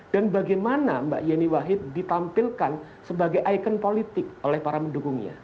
dan bagaimana mbak yeni wahid ditampilkan sebagai ikon politik oleh para mendukungnya